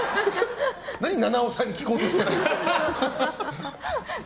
何、菜々緒さんに聞こうとしてるんだ。